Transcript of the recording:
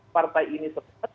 partai ini sempat